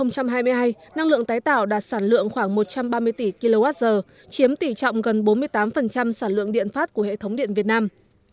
năm hai nghìn hai mươi hai năng lượng tái tạo đạt sản lượng khoảng một trăm ba mươi tỷ kwh chiếm tỷ trọng gần bốn mươi tám sản lượng điện phát của hệ thống điện việt nam